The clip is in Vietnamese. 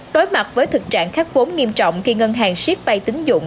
đối mặt với thực trạng khắc vốn nghiêm trọng khi ngân hàng ship bay tín dụng